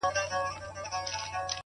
د سړک پر غاړه شګه تل د پښو نښې ژر خوري